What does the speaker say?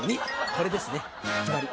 これですね決まり。